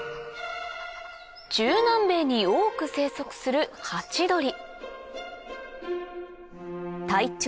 中南米に多く生息するハチドリ